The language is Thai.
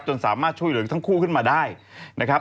สามารถช่วยเหลือทั้งคู่ขึ้นมาได้นะครับ